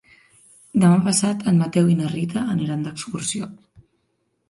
Demà passat en Mateu i na Rita aniran d'excursió.